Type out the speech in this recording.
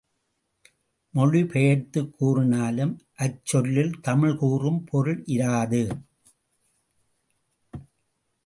மொழி பெயர்த்துக் கூறினாலும் அச்சொல்லில் தமிழ் கூறும் பொருள் இராது.